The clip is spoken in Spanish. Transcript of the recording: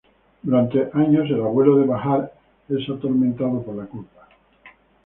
Durante años el abuelo de Bahar es atormentado por la culpa.